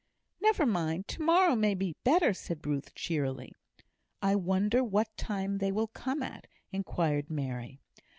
"Never mind! to morrow may be better," said Ruth, cheerily. "I wonder what time they will come at?" inquired Mary.